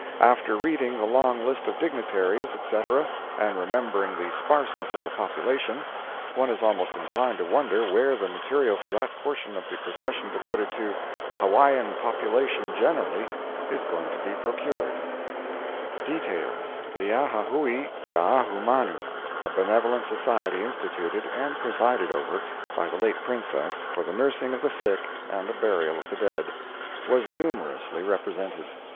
After reading the long list of dignitaries, etc., and remembering the sparseness of the population, one is almost inclined to wonder where the material for that portion of the procession devoted to "Hawaiian Population Generally" is going to be procured: DETAILS The "Ahahui Kaahumanu"—a benevolent society instituted (and presided over) by the late Princess for the nursing of the sick and the burial of the dead—was numerously represented.